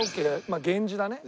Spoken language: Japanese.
あ源氏だね。